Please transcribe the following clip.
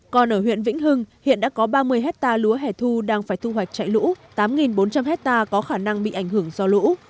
còn ở huyện vĩnh hưng hiện đã có ba mươi hectare lúa hẻ thu đang phải thu hoạch chạy lũ tám bốn trăm linh hectare có khả năng bị ảnh hưởng do lũ